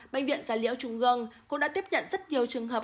bệnh viện già liễu trung gương cũng đã tiếp nhận rất nhiều trường hợp